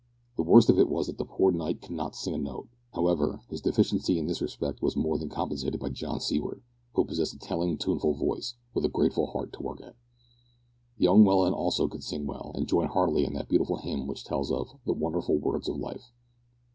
The worst of it was that the poor knight could not sing a note. However, his deficiency in this respect was more than compensated by John Seaward, who possessed a telling tuneful voice, with a grateful heart to work it. Young Welland also could sing well, and joined heartily in that beautiful hymn which tells of "The wonderful words of life."